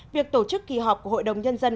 việc tổ chức kỳ họp của hội đồng nhân dân